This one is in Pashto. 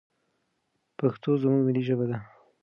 پښتو زموږ ملي ژبه ده.